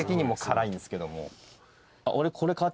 俺。